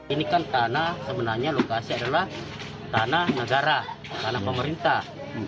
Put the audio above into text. ini kan tanah sebenarnya lokasi adalah tanah negara tanah pemerintah